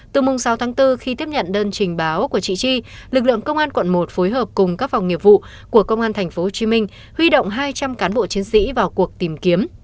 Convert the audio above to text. từ sáu tháng bốn khi tiếp nhận đơn trình báo của chị chi lực lượng công an quận một phối hợp cùng các phòng nghiệp vụ của công an tp hcm huy động hai trăm linh cán bộ chiến sĩ vào cuộc tìm kiếm